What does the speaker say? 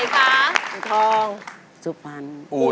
พ่อสาว